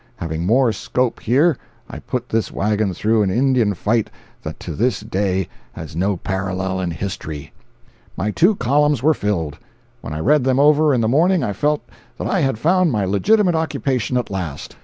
Having more scope here, I put this wagon through an Indian fight that to this day has no parallel in history. My two columns were filled. When I read them over in the morning I felt that I had found my legitimate occupation at last.